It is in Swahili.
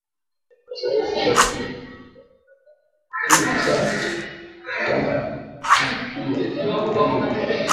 Maisha yetu itakuya muzuri sana kama ba mama bana jua ku rima